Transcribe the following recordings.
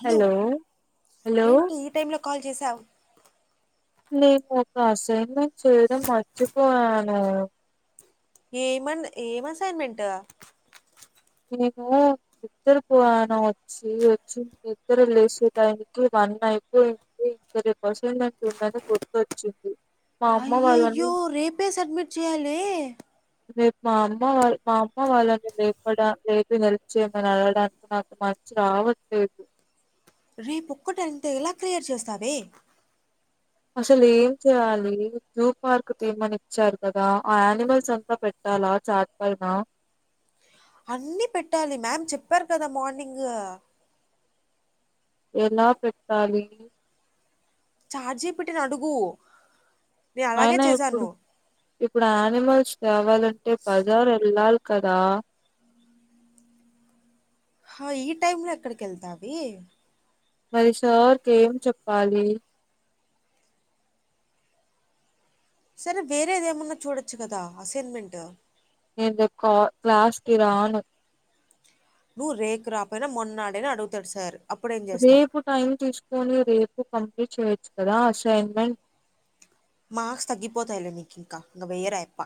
Hello hello ఏంటి ఈ time లో కాల్ చేసావ్ నేను ఒక అసైన్మెంట్ చేయడం మర్చిపోయానూ ఏమన్ ఏం అసైన్మెంటూ ఇన్నెంకా బిత్తర పోయాను వచ్ చ్చీ వచ్చి నిద్దర లేసేటయానికి గంట అయిపోయి ది ఇక్కడ క్వషన్ బ్యాంక్ ఉండాలి గుర్తొచ్చింది మా అమ్మ వాళ్ళని అయ్యయ్యో రేపే సబ్మిట్ చేయాలే రేప్ మా అమ్మ వాళ్ మా అమ్మ వాళ్ళని లేపడా లేపి హెల్ప్ చేయమని అడగడానికి నాకు మంచి రావట్లేదు. రేపు ఒక్కటంటే ఎలా క్లియర్ చేస్తావే అసలు ఏం చేయాలీ జూ పార్కు చెయ్మని ఇచ్చారు కదా ఆ యానిమల్స్ అంతా పెట్టాలా చాట్ గల్మా అన్నీ పెట్టాలి మ్యామ్ చెప్పారు కదా మార్నింగూ ఎలా పెట్టాలీ చాట్‌జీపిటీని అడుగూ అవునా ఇప్పుడు. ఇప్పుడు యానిమల్స్ కావాలంటే బజార్ వెళ్ళాలి కదా హ ఈ టైమ్ లో ఎక్కడికెళ్తావీ మరి సార్కి ఏం చెప్పాలీ సరే వేరేది ఏమన్న చూడొచ్చు కదా అసైన్మెంటు ఏందో క్లా క్లాస్కి రాను నువ్ రేకు రాపోయినా మొన్నాడైనా అడుగుతాడు సారు రేపు టైం తీసుకొనీ రేపు కంప్లీట్ చేయొచ్చు కదా అసైన్మెంట్ మాార్క్స్ తగ్గిపోతాయ్లే నీకింకా ఇంగ వెయ్యరు ఆయప్ప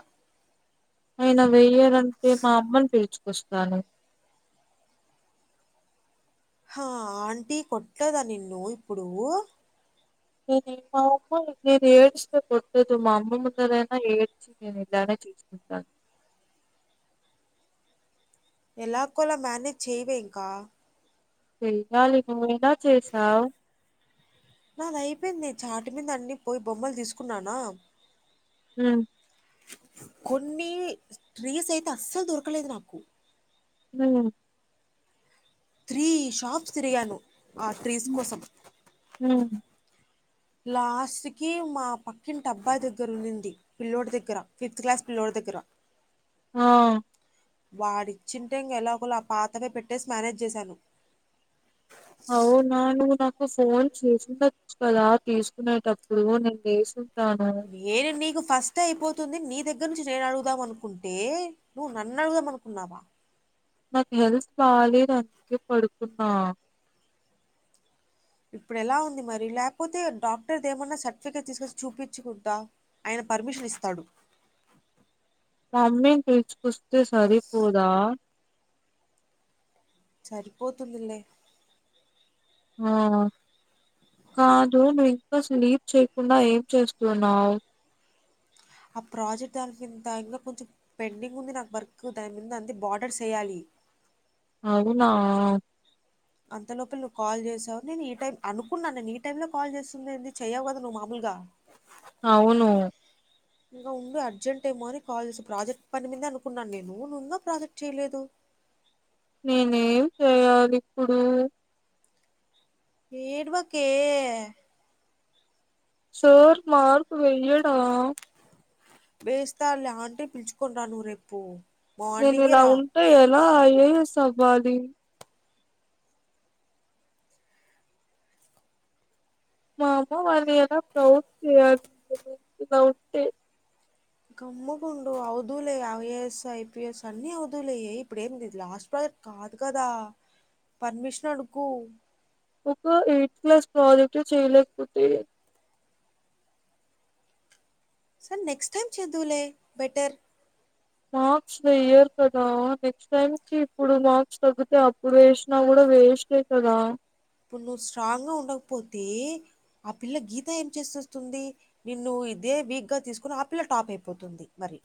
ఆయన వెయ్యడంటే మా అమ్మని పిలుచుకొస్తాను హా ఆంటీ కొట్టద నిన్నూ ఇప్పుడూ ఏ నేన్ కాక నేను ఏడిస్తే కొట్టదు మా అమ్మమ్మ ముందరేనా ఏడ్చి నేను ఈ ప్లానే చూసుకుంటాను ఎలా కోలా మానేజ్ చెయ్యవే ఇంకా చెయ్యాలి నువ్వు ఇలా చేసావ్ నాది అయిపేంది చాటి మింద అన్ని పొయ్ బొమ్మలు తీసుకున్నానా మ్ కొన్నీ ట్రీస్ అయితే అస్సలు దొరకలేదు నాకు ఊ త్రీ షాప్స్ తిరిగాను ఆ ట్రీస్ హ్మ్. కోసం హ్మ్. లాస్ట్ కీ మా పక్కింటి అబ్బాయి దగ్గర ఉన్నింది. పిల్లోడు దగ్గరా ఫిఫ్త్ క్లాస్ పిల్లోడు దగ్గరా ఆ వాడిచ్చింటే ఇంగ ఎలగోల ఆ పాతవే పెట్టేసి మేనేజ్ చేశాను అవున నువు నాకు ఫోన్ చేసిండచ్చు కదా తీసుకునేటప్పుడు నేనేసు రానా ఏను నీకు ఫస్ట్ అయిపోతుంది నీ దగ్గర నుంచి నేను అడుగుదాం అనుకుంటే నువ్వు నన్ను అడుగుదాం అనుకున్నావా నాకు హెల్త్ బాలేదు అందుకే పడుకున్నా ఇప్పుడు ఎలా ఉంది మరి లేకపోతే డాక్టర్ది ఏమన్నా సర్టిఫికేట్ తీసుకొచ్చి చూపించుకుంటా ఆయన పర్మిషన్ ఇస్తాడు మమ్మీని పిల్చుకొస్తే సరిపోదా సరిపోతుందిలే ఆ కాదు నువ్వు ఇంకా స్లీప్ చేయకుండా ఏం చేస్తున్నావ్ ఆ ప్రాజెక్ట్ దాని ఇంత ఇంకా కొంచెం పెండింగ్ ఉంది నాకు వర్క్ దాని మీద అంతే బార్డర్స్ వేయాలి అవునా అంతలోపలి నువ్వు కాల్ చేసావు నేను ఈ టైం అనుకున్నాను నేను ఈ టైమ్ లో కాల్ చేస్తుంది ఏంది చెయవు గద నువ్వు మామూలుగా అవును ఇంకా ఉండు అర్జెంట్ ఏమో అని కాల్ చేసి ప్రాజెక్ట్ పని మీదే అనుకున్నాను నేను నువ్ ఇంగా ప్రాజెక్ట్ చేయలేదు నేనేం చేయాలి ఇప్పుడు ఏడ్వకే సార్ మార్క్ వెయ్యడా వేస్తాడ్లే ఆంటీ ని పిలుచుకొని రా నువ్వు రేపు నేను మార్నింగే ఇలా రా ఉంటే ఎలా ఐ ఏ ఎస్ అవ్వాలి మా అమ్మ వాళ్ళి ఎలా ప్రౌడ్ చేయాలి ఇలా ఉంటే కమ్ముకుండు అవుధువులే ఐఏఎస్ ఐపీఎస్ అన్ని అవధూలవులే యే ఇప్పుడు ఏందిది లాస్ట్ ప్రాజెక్ట్ కాదు కదా పర్మిషన్ అడుగు ఒక ఎయిత్ క్లాస్ ప్రాజెక్ట్ చేయలేకపోతే సర్ నెక్స్ట్ టైమ్ చేదువులే బెటర్ మార్క్స్ వెయ్యర్ కదా నెక్స్ట్ టైమ్ కి ఇప్పుడు మార్క్స్ తగ్గితే అప్పుడు వేసినా కూడా వేస్టే కదా ఇప్పుడు నువ్వు స్ట్రాంగ్ గా ఉండకపోతే ఆ పిల్ల గీత ఏం చేసేస్తుంది నిన్ను ఇదే వీక్ గా తీసుకుని ఆపిల్ల టాప్ అయిపోతుంది మరి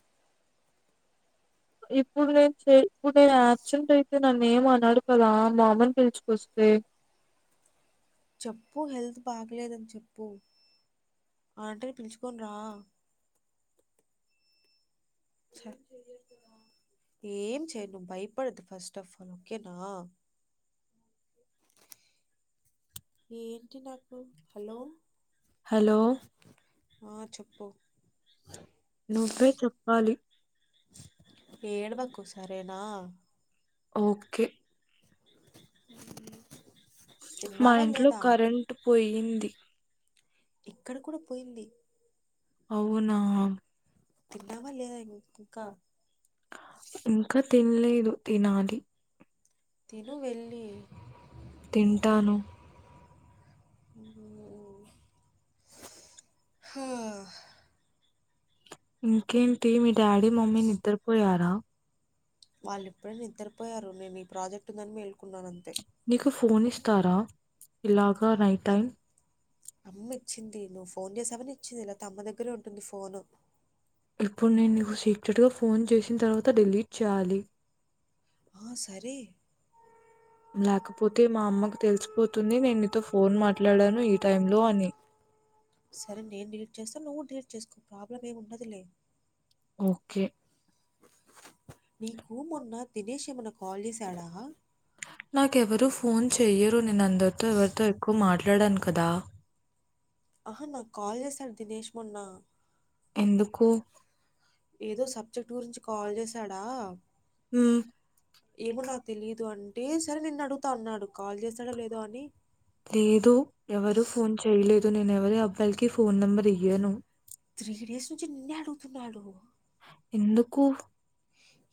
ఇప్పుడు నేను చె ఇప్పుడు నేను యాబ్సెంట్ అయితే నన్నేం అనడు కదా మామని పిలిచుకొస్తే చెప్పు హెల్త్ బాగలేదని చెప్పు ఆంటిని పిలుచుకొని రా ఏం చె నువ్వు భయపడదు ఫస్ట్ ఆఫ్ ఆల్ ఓకేనా ఏంటి నాకు హలో హలో ఆ చెప్పు నువ్వే చెప్పాలి ఏడవకు సరేనా ఓకే అ మా ఇంట్లో కరెంట్ పోయింది ఇక్కడ కూడా పోయింది అవునా తిన్నావా లేదా ఇంకా ఇంకా తినలేదు తినాలి తిను వెళ్ళి తింటాను ఆ అ హా ఇంకేంటి మీ డాడీ మమ్మీ నిద్రపోయారా వాళ్ళు ఇప్పుడే నిద్రపోయారు నేను ఈ ప్రాజెక్ట్ ఉందని మేలుకున్నాను అంతే నీకు ఫోన్ ఇస్తారా ఇలాగ నైట్ అమ్ టైం అమ్మ ఇచ్చింది నువ్వు ఫోన్ చేసావని ఇచ్చింది లేతేమ్మ దగ్గరే ఉంటుంది ఫోన్ ఇప్పుడు నేను నీకు సీక్రెట్ గా ఫోన్ చేసిన తర్వాత డెలీట్ చేయాలి ఆ సరే లేకపోతే మా అమ్మకు తెలిసిపోతుంది నేను నీతో ఫోన్ మాట్లాడాను ఈ టైమ్ లో అని సరే నేను డిలీట్ చేస్తా నువ్వు డిలీట్ చేసుకో ప్రాబ్లమ్ ఏమి ఉండదులే ఓకే నీకు మొన్న దినేష్ ఏమన కాల్ చేశాడా నాకెవరు ఫోన్ చెయ్యరు నేను అందరితో ఎవరితో ఎక్కువ మాట్లాడాను కదా ఆహా నాకు కాల్ చేశాడు దినేష్ మొన్న ఎందుకు ఏదో సబ్జెక్ట్ గురించి కాల్ చేశాడా మ్మ్ ఏమో నాకు తెలిదు అంటే సరే నిన్ను అడుగుతా అన్నాడు కాల్ చేసడో లేదో అని లేదు ఎవరు ఫోన్ చేయలేదు నేను ఎవరి అబ్బాయిలకి ఫోన్ నెంబర్ ఇయ్యాను త్రీ డేస్ నుంచి నిన్నే అడుగుతున్నాడు ఎందుకు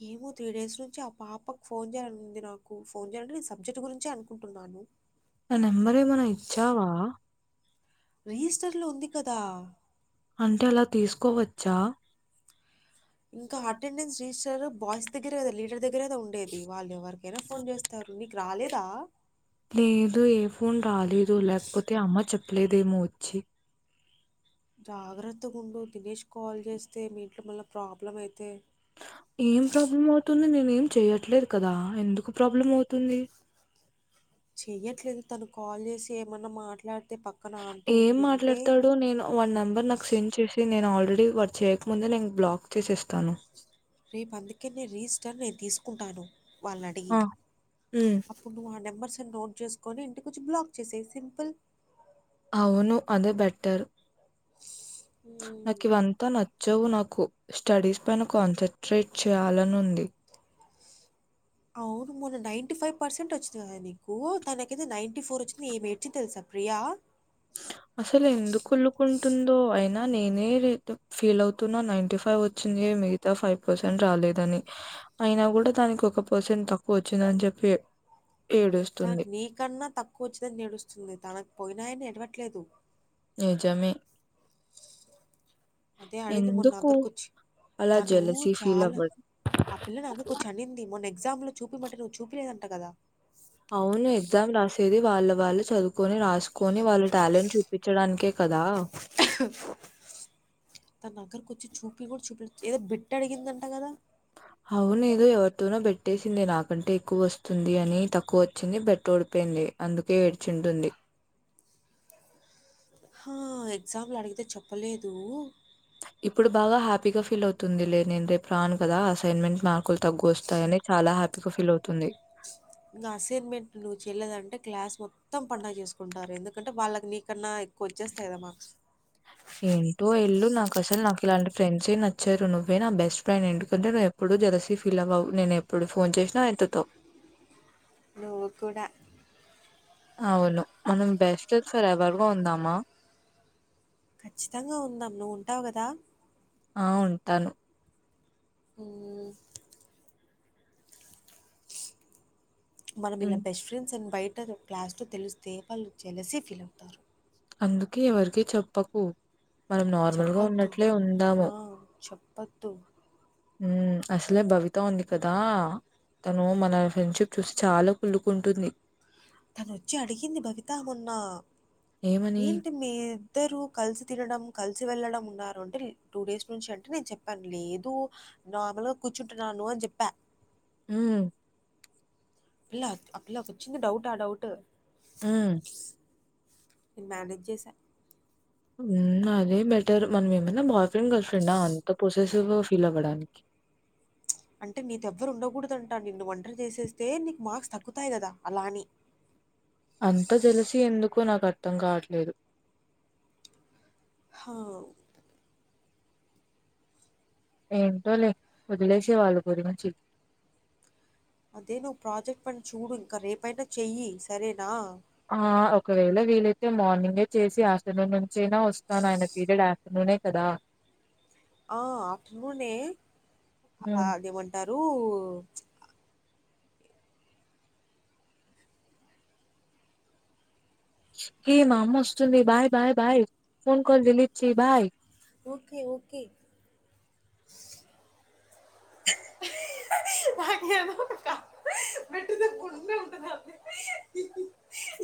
ఏమో త్రీ డేస్ నుంచి ఆ పాపకు ఫోన్ చేయాలని ఉంది నాకు ఫోన్ చేయాలంటే నీ సబ్జెక్ట్ గురించే అనుకుం టున్నాను నా నెంబర్ ఏమన్నా ఇచ్చావా రిస్టర్ లో ఉంది కదా అంటే అలా తీసుకోవచ్చా ఇంకా అటెండెన్స్ రిజిస్టర్ బాయ్స్ దగ్గరె గద లీడర్ దగ్గర కద ఉండే వాళ్ళు ఎవరీకైనా ఫోన్ చేస్త తారు నీకు రాలేదా లేదు ఏ ఫోన్ రాలేదు లేకపోతే అమ్మ చెప్పలేదేమో వచ్చి జాగ్రత్తగా ఉండు దినేష్ కాల్ చేస్తే మీ ఇంట్లో మళ్ళా ప్రాబ్లం అయితే ఏం ప్రాబ్లం అవుతుంది నేను ఏం చెయట్లేదు కదా ఎందుకు ప్రాబ్లం అవుతుంది చెయ్యట్లేదు తను కాల్ చేసి ఏమన్నా మాట్లాడితే పక్క ఏం మాట్లాడతాడు నేను వాడి నెంబర్ నాకు సెండ్ చేసి నేను ఆల్రెడీ వాడు చేయకముందే నేను బ్లాక్ చేసేస్తాను రేపు అందుకే నేను రీస్టర్ నేను తీసుకుంటాను వాళ్ళని అడిగి ఆ ఉమ్, ఇప్పు నువ్వు ఆ నెంబర్స్ ని నోట్ చేసుకొని ఇంటికి వచ్చి బ్లాక్ చేసాయి సింపుల్ అవును అదే బెటర్ హ్మ్. నాకు ఇవంతా నచ్చవు నాకు స్టడీస్ పైన కాన్సన్ట్రేట్ చేయాలని ఉంది అవును మొన్న నైన్టీ ఫైవ్ పర్సెంట్ వచ్చింది కదా నీకు దాకైతే నైంటీ ఫోర్ వచ్చింది ఏమేడ్చింది తెలుసా ప్రియా [inaudible] అసలు ఎందుకు కొలుకుంటుందో అయినా నేనే ఫీల్ అవుతున్నా నైన్ఫైవ్ వచ్చింది మీ ఫైవ్ పర్సెంట్ రాలేదని అయినా కూడా దానికి ఒక పర్సెంట్ తక్కువ వచ్చిందని చెప్పి తనకు ఏడుంది నీకన్నా తక్కువ వచ్చిందని నేడుస్తుంది తనకు పోయినాయని ఎడవట్లేదు నిజమే అదే అనింది ఎందుకు మొన్న నా దగ్గరికి వచ్చి అలా తను జెలసీ ఫీల్ అవ్వడం చాలా ఆ పిల్ల నా దగ్గర్ చనింది మొన్న ఎగ్జామ్ లో చూపిమంటే నువ్వు చూపిలేదంట కదా అవును ఎగ్జామ్ రాసేది వాళ్ళ వాళ్ళు చదువుకొని రాస్ కోని వాళ్ళ టాలెంట్ చూపించడానికే కదా తన అగ్గరకు వచ్చి చూపిన్ కూడా చూపి ఏదో బిట్ అడిగిందంట కదా అవును ఎదో ఎవరితోనో బెట్ పెట్టేసిందే నాకంటే ఎక్కువ వస్తుంది అని తక్కువ వచ్చింది బెట్ ఓడిపోయింది అందుకే ఎడ్చింటుంది హా ఎగ్జామ్లో అడిగితే చెప్పలేదు ఇప్పుడు బాగా హ్యాపీగా ఫీల్ అవుతుంది లే నేను రేపు రాను కదా అసైన్మెంట్ మార్కులు తగ్గు వస్తాయని చాలా హ్యాపీగా ఫీల్ అవుతుంది నా అసైన్మెంట్ నువ్వు చెల్లేదంటే క్లాస్ మొత్ త్తం పడుగ చేసుకుంటారు ఎందుకంటే వాళ్ళకి నీకన్నా ఎక్కువ వచ్చేస్తాయి కదా మార్క్స్ ఏంటో వెళ్ళు నాకు అసలు నాకు ఇలాంటి ఫ్రెంస్ ఏ నచ్చారు నువ్వే నా బెస్ట్ ఫ్రెండ్ ఎందుకంటే ను ఇప్పుడు జలసీ ఫిల్ అవ్వవు నేను ఎప్పుడు ఫోన్ చేసినా ఎత్తుతావ్ నువ్ కూడా అవును మనం బెస్ట్ ఫర్ ఎవర్గా ఉందామా ఖచ్చితంగా ఉందం నువ్వు ఉంటావు కదా ఆ ఉంటాను మ్ మ్ మనం ఇలా హ్మ్. బెస్ట్ ఫ్రెండ్స్ అండ్ బయట క్లాస్ లో తెలిస్తే వాళ్ళు జలసీ ఫీల్ అవుతారు అందుకే ఎవరికి చెప్పకు మనం నార్మల్గా ఉన్నట్లే ఉందాము మ్ చెప్పోద్దు మ్ అసలే భవిత ఉంది కదా తను మన ఫ్రెండ్షిప్ చూసి చాలా కుళ్లుకుంటుంది తనొచ్చి అడిగింది భవిత మొన్న ఏమని? ఏంటి మీ ఇద్దరు కలిసి తినడం కలిసి వెళ్లడం ఉన్నారు అంటే టూ డేస్ నుంచి అంటే నేను చెప్ పను లేదు నార్మల్గా కూర్చుంటున్నాను అని చెప్ప మ్ పిల్ల అ పిల్లకు వచ్చింది డౌట్ ఆ డౌట్ హ్మ్. నేను మ్యనేజ్ చేసా [inaudible] అదే బెటర్ మనం ఏమన్న బాయ్ ఫ్రెండ్ గర్ల్ ఫ్రెండ్డా అంత ప్రాసెసివ్గా ఫీల్ అవ్వడానికి అంటే నీతో ఎవ్వరు ఉండకూడదంట నిన్ను ఓంటరి చేసేస్తే నీకు మార్క్స్ తగ్గుతాయి కదా అలా అని అంత జలసి ఎందుకు నాకు అర్థం కావట్లేదు హా ఏంటో లే వదిలేసై వాళ్ళు గురించి అదేదో ప్రాజెక్ట్ పని చూడు ఇంకా రేపయినా చెయ్యి సరేనా ఆ ఒకవేళ వీలైతే మార్నింగే చేసి ఆఫ్టర్నూన్ నుంచైనా వస్తాను ఆయన పీరియడ్ అయ్ నేె కదా ఆ ఆఫ్టర్నూనే హ్మ్. అదేమంటారు ఏ మామొస్తుంది బయ్ బాయ్ బాయ్ ఫోన్ కల్ డిలీట్ చేయ్ బాయ్ ఓకే ఓకే తగ బెడ్ట్ట గుండ ఉంటద ఉ